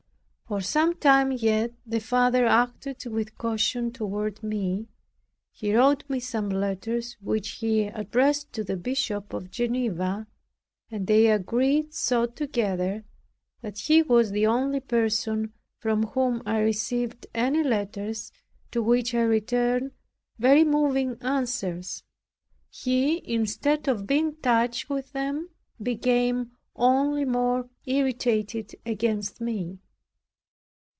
For some time yet, the Father acted with caution toward me. He wrote me some letters, which he addressed to the Bishop of Geneva, and they agreed so together, that he was the only person from whom I received any letters, to which I returned very moving answers. He, instead of being touched with them, became only more irritated against me.